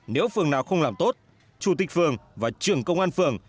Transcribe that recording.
nếu phường nào không làm tốt chủ tịch phường và trưởng công an phường